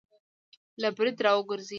له برید را وګرځي